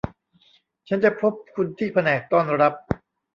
ฉันจะพบคุณที่แผนกต้อนรับ